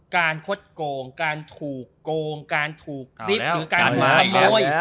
การคดโกรงการถูกโกรงการถูกติดหรือการผลปล่อย